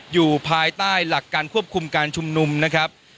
อยู่ภายใต้หลักการควบคุมการชุมนุมนะครับ